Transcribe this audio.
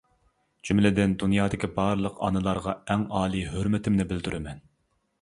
جۈملىدىن دۇنيادىكى بارلىق ئانىلارغا ئەڭ ئالىي ھۆرمىتىمنى بىلدۈرىمەن!